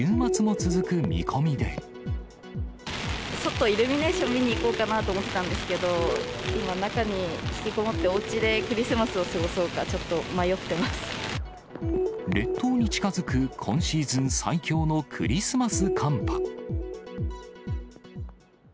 外、イルミネーション見に行こうかなと思ってたんですけど、今、中に引きこもって、おうちでクリスマスを過ごそうか、ちょっと迷列島に近づく今シーズン最強のクリスマス寒波。